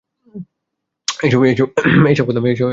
এই-সব কথা ভাববার কথা।